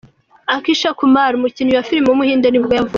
Akshay Kumar, umukinnyi wa film w’umuhinde nibwo yavutse.